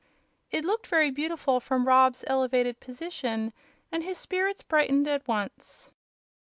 It looked beautiful from Rob's elevated position, and his spirits brightened at once.